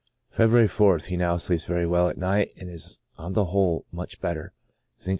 February 4th. — He now sleeps very well at night, and is on the whole much better. Zinc.